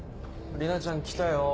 里奈ちゃん来たよ